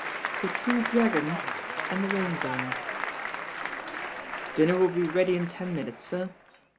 lin THE TWO dragons" AND THE RAIN GIRL DINNER wiU be ready in ten minute«, lir."